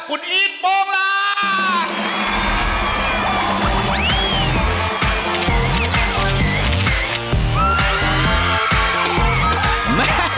คุณอีทโป้งลา